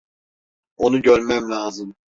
Onu görmem lazım.